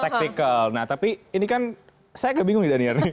taktikal nah tapi ini kan saya kebingung nih